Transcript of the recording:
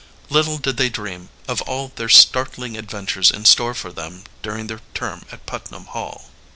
Little did they dream, of all the startling adventures in store for them during their term at Putnam Hall.